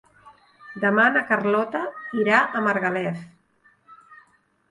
Demà na Carlota irà a Margalef.